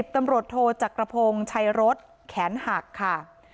๑๐ตำรวจโทจากกระพงชัยรถแขนหักค่ะ